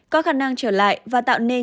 có khả năng trở lại và tạo nên